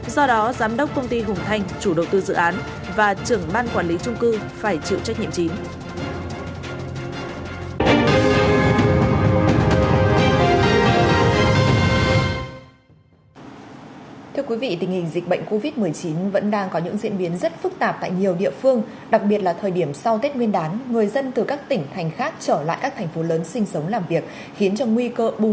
do đó giám đốc công ty hùng thanh chủ đầu tư dự án và trưởng ban quản lý trung cư